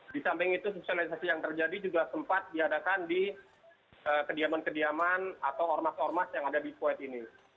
di samping itu sosialisasi yang terjadi juga sempat diadakan di kediaman kediaman atau ormas ormas yang ada di kuwait ini